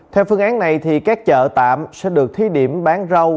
theo phương án này các chợ tạm sẽ được thí điểm bán rau